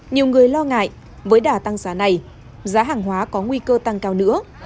nhiều người lo ngại với đà tăng giá này giá hàng hóa có nguy cơ tăng cao nữa